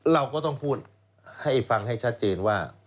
เราก็ต้องพูดให้ฟังให้ชัดเจนว่า